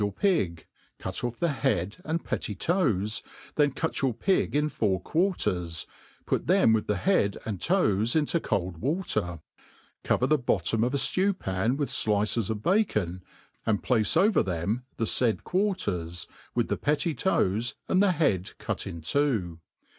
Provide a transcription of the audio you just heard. your pig, cut off the head and petty toes, then cut your pig io four quarters, put them with the head and toes into cold water;* cover the bottom of a ftew*pan with fliccs oi bacon, and place over them the faid quarters, with the petty<*toc8 aiid the bead cut in two.